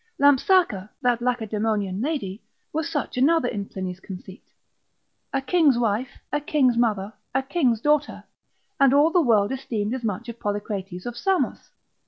Lampsaca, that Lacedaemonian lady, was such another in Pliny's conceit, a king's wife, a king's mother, a king's daughter: and all the world esteemed as much of Polycrates of Samos.